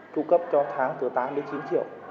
tru cấp cho tháng từ tám đến chín triệu